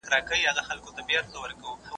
د غنم زړه و، چاودلی